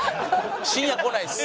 深夜来ないです。